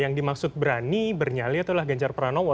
yang dimaksud berani bernyali itulah gencar pranowo